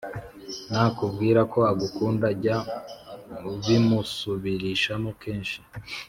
nakubwira ko agukunda, jya ubimusubirishamo kenshi,